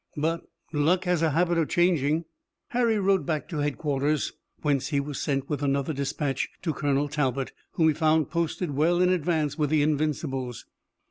"But luck has a habit of changing." Harry rode back to headquarters, whence he was sent with another dispatch, to Colonel Talbot, whom he found posted well in advance with the Invincibles.